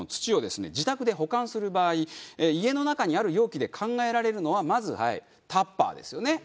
自宅で保管する場合家の中にある容器で考えられるのはまずタッパーですよね。